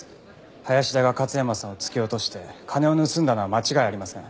林田が勝山さんを突き落として金を盗んだのは間違いありません。